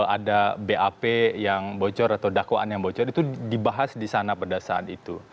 ada bap yang bocor atau dakwaan yang bocor itu dibahas di sana pada saat itu